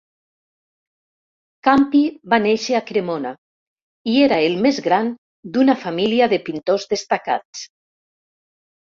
Campi va néixer a Cremona i era el més gran d'una família de pintors destacats.